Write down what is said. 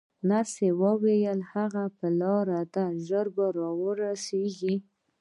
نرسې وویل: هغه پر لار دی، ژر به راورسېږي.